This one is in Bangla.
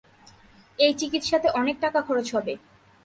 এই চিকিৎসাতে অনেক টাকা খরচ হবে।